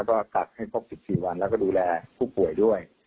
ก็กักให้ครบ๑๔วันแล้วก็ดูแลผู้ป่วยด้วย